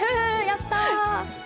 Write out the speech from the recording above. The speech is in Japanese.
やったー！